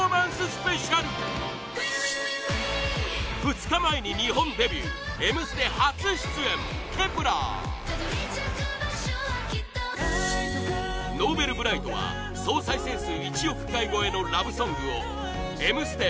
スペシャル２日前に日本デビュー「Ｍステ」初出演Ｋｅｐ１ｅｒＮｏｖｅｌｂｒｉｇｈｔは総再生数１億回超えのラブソングを「Ｍステ」